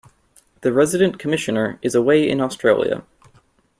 The Resident Commissioner is away in Australia.